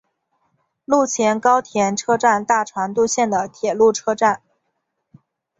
陆前高田车站大船渡线的铁路车站。